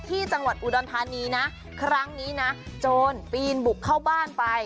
ที่จังหวัดอุดรธานีนะครั้งนี้นะโจรปีนบุกเข้าบ้านไป